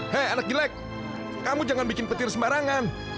hei anak jelek kamu jangan bikin petir sembarangan